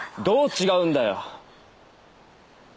どう違うんだよ。